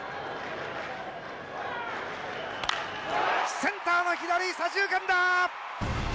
センターの左左中間だ！